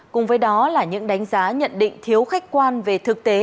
cùng với đó là những đánh giá nhận định thiếu khách quan về thực tế